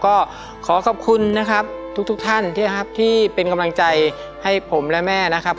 ก็ขอขอบคุณนะครับทุกท่านที่นะครับที่เป็นกำลังใจให้ผมและแม่นะครับ